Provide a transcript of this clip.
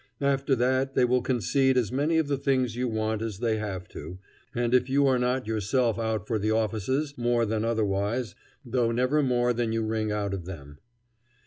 After that they will concede as many of the things you want as they have to, and if you are not yourself out for the offices, more than otherwise, though never more than you wring out of them.